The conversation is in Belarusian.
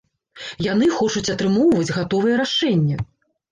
Яны хочуць атрымоўваць гатовае рашэнне.